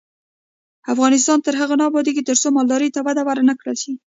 افغانستان تر هغو نه ابادیږي، ترڅو مالدارۍ ته وده ورنکړل شي.